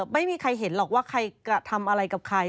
ไม่มีใครเห็นหรอกว่าใครกระทำอะไรกับใคร